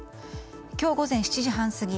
今日午前７時半過ぎ